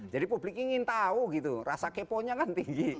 jadi publik ingin tahu gitu rasa kepo nya kan tinggi